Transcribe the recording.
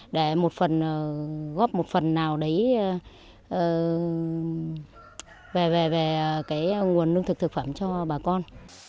để một phần góp một phần nào đấy về nguồn lương thực thực phẩm cho bà con